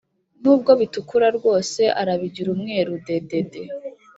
Nubwo bitukura rwose arabigira umweru dedede